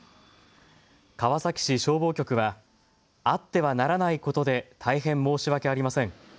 川崎市消防局はあってはならないことで大変申し訳ありません。